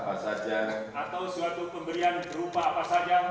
atau suatu pemberian berupa apa saja